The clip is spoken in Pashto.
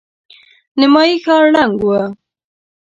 نيمايي ښار ړنګ و.